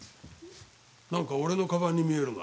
何か俺の鞄に見えるが。